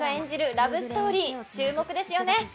ラブストーリー注目ですよね